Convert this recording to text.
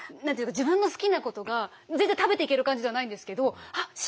何て言うか自分の好きなことが全然食べていける感じではないんですけどあっ